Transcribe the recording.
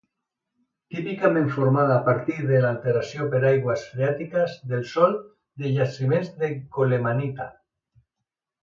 Típicament formada a partir d'alteració per aigües freàtiques del sòl de jaciments de colemanita.